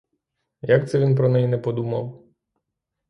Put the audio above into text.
Як це він про неї не подумав.